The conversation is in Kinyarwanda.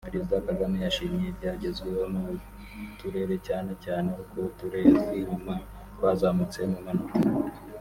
Perezida Kagame yashimye ibyagezweho n’uturere cyane cyane uko uturere tw’inyuma twazamutse mu manota